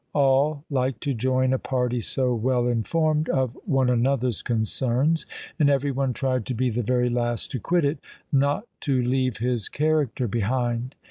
All liked to join a party so well informed of one another's concerns, and every one tried to be the very last to quit it, not "to leave his character behind!"